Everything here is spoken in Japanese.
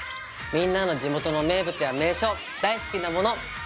みんなの地元の名物や名所大好きなもの。